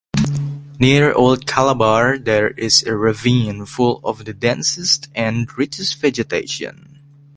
Near Old Calabar there is a ravine full of the densest and richest vegetation.